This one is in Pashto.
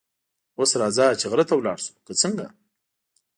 اوس راځه چې غره ته ولاړ شو، که څنګه؟